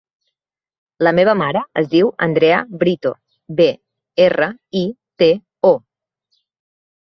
La meva mare es diu Andrea Brito: be, erra, i, te, o.